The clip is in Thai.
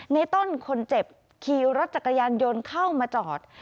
ในต้นคนเจ็บขี่รถจักรยานยนต์เข้ามาจอด